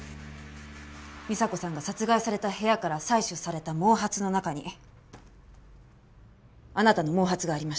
美沙子さんが殺害された部屋から採取された毛髪の中にあなたの毛髪がありました。